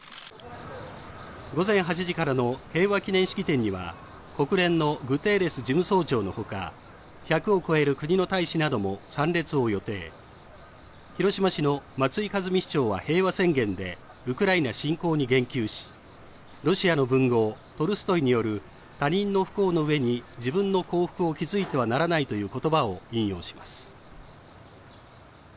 午前８時からの平和記念式典には、国連のグテーレス事務総長のほか１００を超える国の大使なども参列を予定、広島市の松井一実市長は平和宣言でウクライナ侵攻に言及し、ロシアの文豪トルストイによる「他人の不幸の上に自分の幸福を築いてはならない」という言葉を引用します。